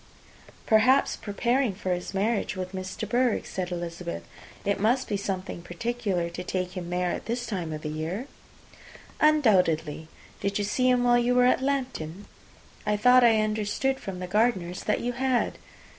"Perhaps preparing for his marriage with Miss de Bourgh," said Elizabeth. "It must be something particular to take him there at this time of year." "Undoubtedly. Did you see him while you were at Lambton? I thought I understood from the Gardiners that you had."